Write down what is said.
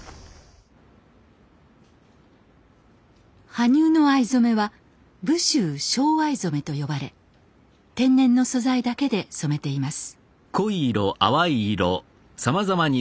羽生の藍染めは「武州正藍染」と呼ばれ天然の素材だけで染めています。